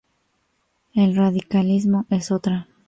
El radicalismo es otra.